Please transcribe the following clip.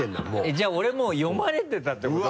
じゃあ俺もう読まれてたってこと？